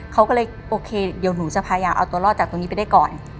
เขาก็เลยโอเคเดี๋ยวหนูจะพยายามเอาตัวรอดจากตรงนี้ไปได้ก่อน